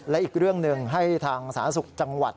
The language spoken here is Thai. และอีกเรื่องหนึ่งให้ทางสาธารณสุขจังหวัด